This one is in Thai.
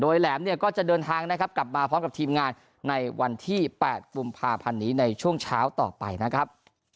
แหลมเนี่ยก็จะเดินทางนะครับกลับมาพร้อมกับทีมงานในวันที่๘กุมภาพันธ์นี้ในช่วงเช้าต่อไปนะครับ